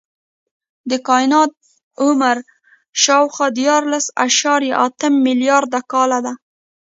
د کائنات عمر شاوخوا دیارلس اعشاریه اته ملیارده کاله دی.